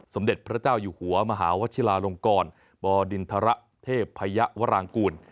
สมเด็จพระเจ้าอยู่หัวมหาวชิลาลงกรบดินทรเทพพยวรางกูล